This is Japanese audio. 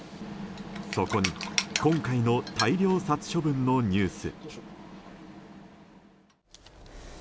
そこに今回の大量殺処分のニュース。